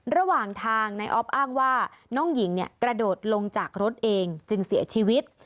ระหว่างทางนายออฟอ้างว่าน้องหญิงกระโดดลงจากรถเองจึงเสียชีวิต